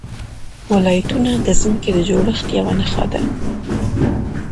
ولایتونه د ځمکې د جوړښت یوه نښه ده.